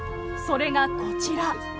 それがこちら。